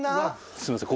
すいません。